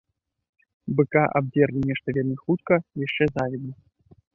Быка абдзерлі нешта вельмі хутка, яшчэ завідна.